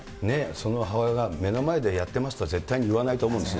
その母親が目の前でやってますとは絶対に言わないと思うんですね。